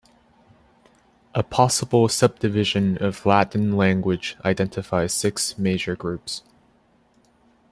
A possible subdivision of Ladin language identifies six major groups.